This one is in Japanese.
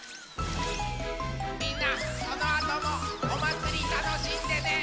みんなこのあともおまつりたのしんでね！